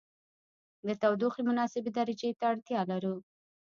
د تودوخې مناسبې درجې ته اړتیا لرو.